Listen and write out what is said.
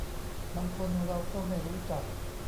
บางคนเราก็ไม่รู้จัก